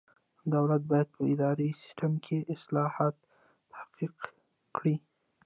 دولت باید په اداري سیسټم کې اصلاحات تحقق کړي.